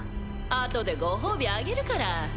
あとでご褒美あげるから。